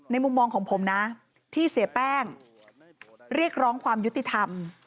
มุมมองของผมนะที่เสียแป้งเรียกร้องความยุติธรรม